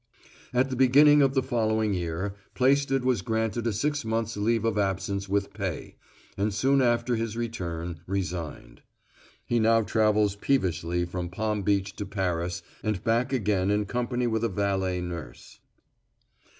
At the beginning of the following year Plaisted was granted a six months' leave of absence with pay, and soon after his return resigned. He now travels peevishly from Palm Beach to Paris and back again in company with a valet nurse.